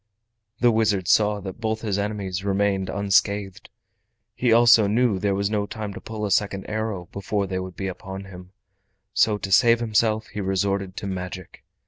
The wizard saw that both his enemies remained unscathed. He also knew that there was no time to pull a second arrow before they would be upon him, so to save himself he resorted to magic.